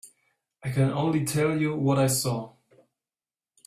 I can only tell you what I saw.